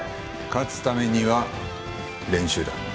勝つためには練習だ。